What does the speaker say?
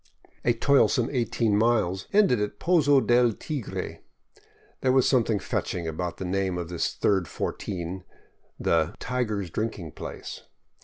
A toilsome eighteen miles ended at Pozo del Tigre — there was some thing fetching about the name of this third f ortin, — the " Tiger's Drinking place."